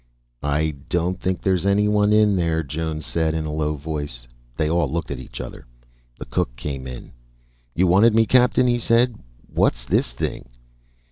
"I don't think there's anyone in there," Jones said in a low voice. They all looked at each other. The cook came in. "You wanted me, Captain?" he said. "What's this thing?"